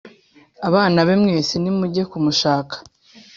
abana be mwese nimujye kumushaka